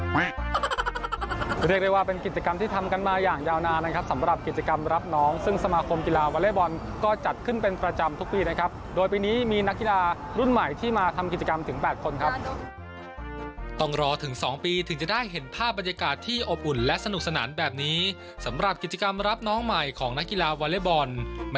เรียกได้ว่าเป็นกิจกรรมที่ทำกันมาอย่างยาวนานนะครับสำหรับกิจกรรมรับน้องซึ่งสมาคมกีฬาวอเล็กบอลก็จัดขึ้นเป็นประจำทุกปีนะครับโดยปีนี้มีนักกีฬารุ่นใหม่ที่มาทำกิจกรรมถึง๘คนครับต้องรอถึง๒ปีถึงจะได้เห็นภาพบรรยากาศที่อบอุ่นและสนุกสนานแบบนี้สำหรับกิจกรรมรับน้องใหม่ของนักกีฬาวอเล็กบอล